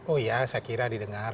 oh ya saya kira didengar